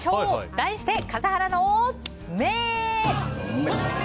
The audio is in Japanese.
題して笠原の眼。